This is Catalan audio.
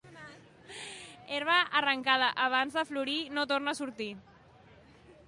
Herba arrencada abans de florir no torna a sortir.